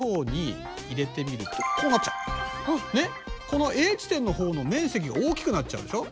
このＡ地点のほうの面積が大きくなっちゃうでしょ？